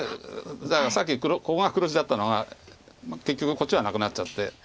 だからさっきここが黒地だったのが結局こっちはなくなっちゃって。